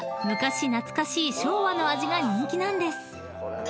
昔懐かしい昭和の味が人気なんです］